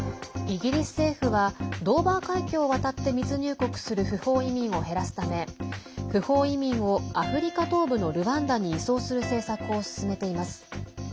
イギリス政府はドーバー海峡を渡って密入国する不法移民を減らすため不法移民をアフリカ東部のルワンダに移送する政策を進めています。